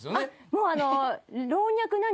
もうあの。